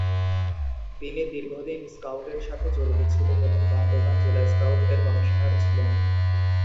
তিনি দীর্ঘদিন স্কাউট এর সাথে জড়িত ছিলেন এবং বান্দরবান জেলা স্কাউট এর কমিশনার ছিলেন।